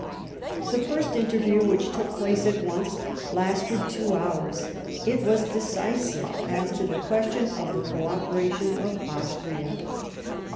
The first interview, which took place at once, lasted two hours. It was decisive as to the question of the co operation of Austria.